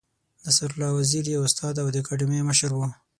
نصرالله وزیر یې استاد او د اکاډمۍ مشر و.